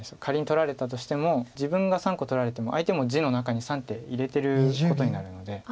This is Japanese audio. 仮に取られたとしても自分が３個取られても相手も地の中に３手入れてることになるので。